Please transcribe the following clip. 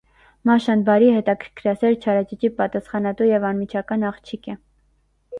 Մաշան բարի, հետաքրքրասեր, չարաճճի, պատասխանատու և անմիջական աղջիկ է։